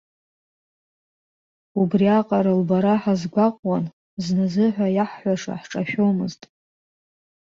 Убриаҟара лбара ҳазгәаҟуан, зназыҳәа иаҳҳәаша ҳҿашәомызт.